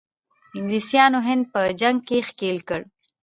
انګلیسانو هند په جنګ کې ښکیل کړ.